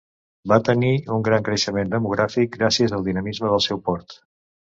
Va tenir un gran creixement demogràfic gràcies al dinamisme del seu port.